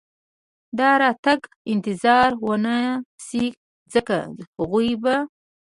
د راتګ انتظار و نه شي، ځکه هغوی به.